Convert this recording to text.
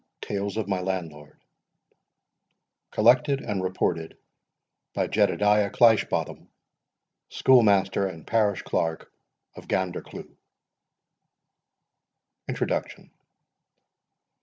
TALES OF MY LANDLORD COLLECTED AND REPORTED BY JEDEDIAH CLEISHBOTHAM, SCHOOLMASTER AND PARISH CLERK OF GANDERCLEUGH. INTRODUCTION.